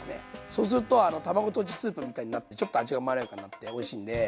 そうすると卵とじスープみたいになってちょっと味がまろやかになっておいしいんで。